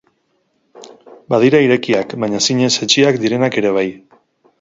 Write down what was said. Badira irekiak, baina zinez hetsiak direnak ere bai.